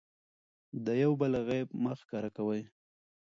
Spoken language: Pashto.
د یو بل عیب مه ښکاره کوئ.